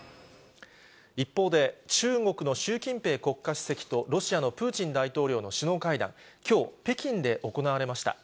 一方で、中国の習近平国家主席と、ロシアのプーチン大統領の首脳会談、きょう、北京で行われました。